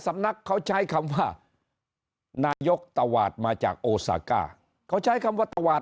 สำนักเขาใช้คำว่านายกตวาดมาจากโอซาก้าเขาใช้คำว่าตวาด